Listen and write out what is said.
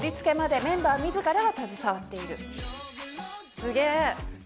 すげえ。